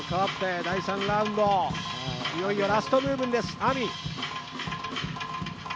いよいよラストムーブですＡＭＩ。